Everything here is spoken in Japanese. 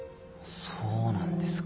そうなんですか。